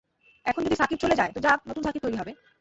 এখন যদি সাকিব চলে যায়, তো যাক, নতুন সাকিব তৈরি হবে।